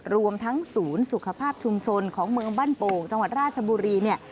รวมทั้งศูนย์สุขภาพชุมชนของเมืองบ้านโป่งจังหวัดราชบุรีเนี่ย